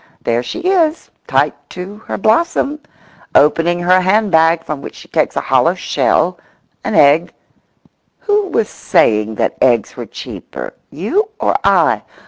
There she is, tight to her blossom; opening her hand bag, from which she takes a hollow shell—an egg—who was saying that eggs were cheaper? You or I?